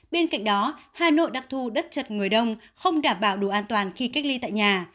bên cạnh đó hà nội đặc thù đất chật người đông không đảm bảo đủ an toàn khi cách ly tại nhà